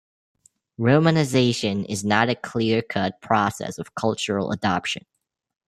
Romanization is not a clear-cut process of cultural adoption.